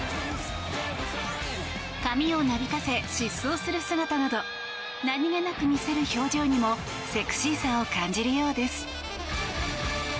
髪をなびかせ疾走する姿など何気なく見せる表情にもセクシーさを感じるようです。